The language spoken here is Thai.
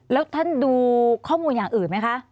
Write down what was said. แล้วท่านดูข้อมูลอย่างอื่นไหมคะ